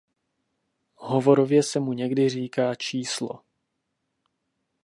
Hovorově se mu někdy říká „číslo“.